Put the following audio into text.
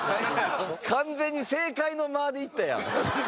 完全に正解の間でいったやん。